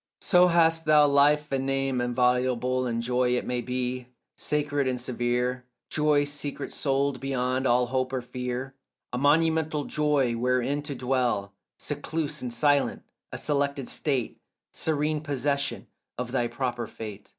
So hast thou life and name inviolable And joy it may be, sacred and severe, Joy secret souled beyond all hope or fear, A monumental joy wherein to dwell Secluse and silent, a selected state, Serene possession of thy proper fate.